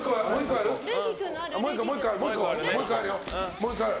もう１個ある？